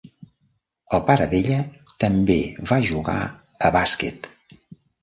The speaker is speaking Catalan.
El pare d'ella també va jugar a bàsquet.